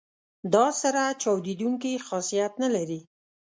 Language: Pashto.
دا سره چاودیدونکي خاصیت نه لري.